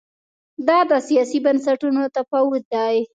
دا د سیاسي بنسټونو تفاوت دی.